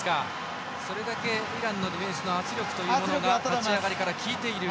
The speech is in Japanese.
それだけイランのディフェンスの圧力というものが立ち上がりから効いている。